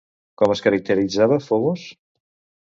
Com es caracteritzava Fobos?